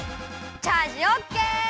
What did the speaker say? チャージオッケー！